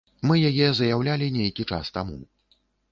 Мы яе заяўлялі нейкі час таму.